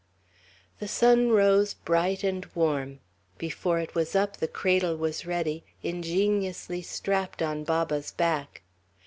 The sun rose bright and warm. Before it was up, the cradle was ready, ingeniously strapped on Baba's back.